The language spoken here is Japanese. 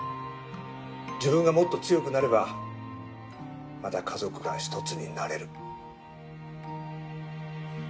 自分がもっと強くなればまた家族が１つになれる。